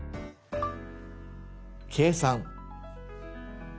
「計算」。